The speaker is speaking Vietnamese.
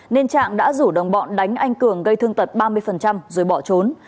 nên trạng đã rủ đồng bọn đánh anh cường gây thương tật ba mươi rồi bỏ trốn